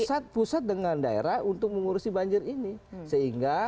pusat pusat dengan daerah untuk mengurusi banjir ini sehingga